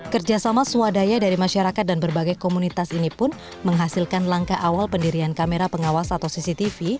kerjasama swadaya dari masyarakat dan berbagai komunitas ini pun menghasilkan langkah awal pendirian kamera pengawas atau cctv